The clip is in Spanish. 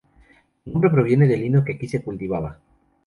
Su nombre proviene del lino que aquí se cultivaba.